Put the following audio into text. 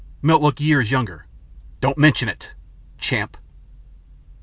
Milt looked years younger. "Don't mention it champ."